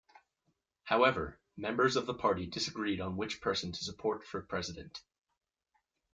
However, members of the party disagreed on which person to support for president.